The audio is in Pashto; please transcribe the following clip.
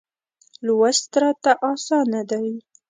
لوست راته اسانه دی.